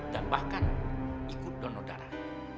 dan bahkan ikut dono darah